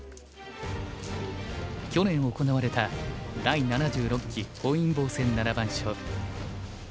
去年行われた第７６期本因坊戦七番勝負。